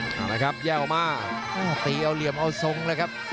เอาละครับแย่ออกมาตีเอาเหลี่ยมเอาทรงเลยครับ